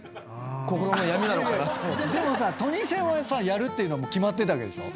でもさトニセンはやるっていうのはもう決まってたわけでしょ。